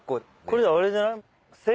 これあれじゃない？